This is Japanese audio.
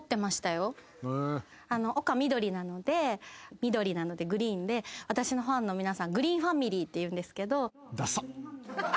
みどりなのでグリーンで私のファンの皆さんグリーンファミリーっていうんですけど。